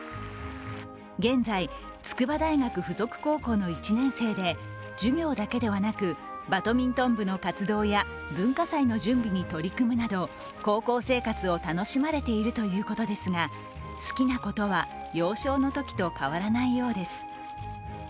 現在、筑波大学附属高校の１年生で授業だけではなくバドミントン部の活動や文化祭の準備に取り組むなど高校生活を楽しまれているということですが好きなことは幼少のときと変わらないようです。